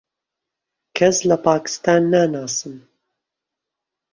کەس لە پاکستان ناناسم.